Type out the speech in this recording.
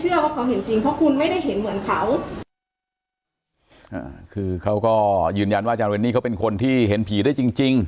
ยืนยันว่าอาจารย์เรนนี่เขาเป็นคนที่เห็นผีได้จริง